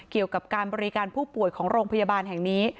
เกี่ยวกับการบริการผู้ป่วยของโรงพยาบาลแห่งนี้